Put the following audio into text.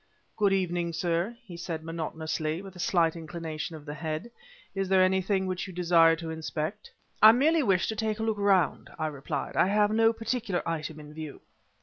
"Good evening, sir," he said monotonously, with a slight inclination of the head; "is there anything which you desire to inspect?" "I merely wish to take a look around," I replied. "I have no particular item in view."